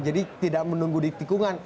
jadi tidak menunggu di tikungan